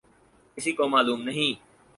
کسی کو معلوم نہیں۔